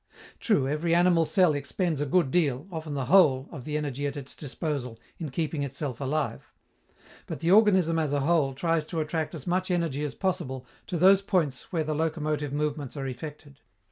True, every animal cell expends a good deal often the whole of the energy at its disposal in keeping itself alive; but the organism as a whole tries to attract as much energy as possible to those points where the locomotive movements are effected.